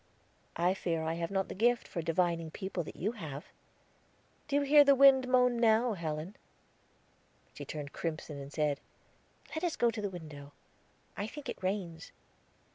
"I fear I have not the gift for divining people that you have." "Do you hear the wind moan now, Helen?" She turned crimson, and said: "Let us go to the window; I think it rains."